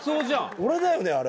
俺だよね、あれ。